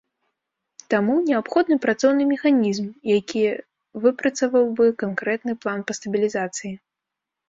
Таму, неабходны працоўны механізм, якія выпрацаваў бы канкрэтны план па стабілізацыі.